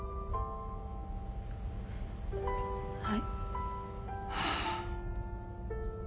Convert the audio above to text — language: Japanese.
はい。